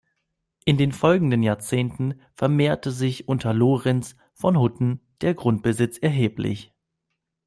In den folgenden Jahrzehnten vermehrte sich unter Lorenz von Hutten der Grundbesitz erheblich.